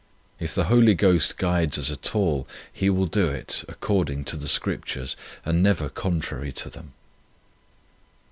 If the Holy Ghost guides us at all, He will do it according to the Scriptures and never contrary to them.